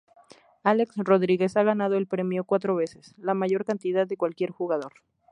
Alex Rodriguez ha ganado el premio cuatro veces, la mayor cantidad de cualquier jugador.